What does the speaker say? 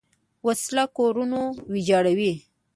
وسله کورونه ویجاړوي